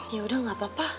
yaudah gak apa apa